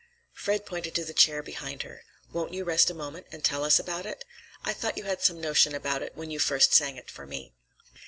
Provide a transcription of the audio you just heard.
Fred pointed to the chair behind her. "Won't you rest a moment and tell us about it? I thought you had some notion about it when you first sang it for me."